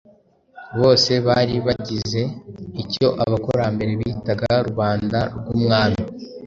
Bose bari bagize icyo abakurambere bitaga Rubanda rw'umwami.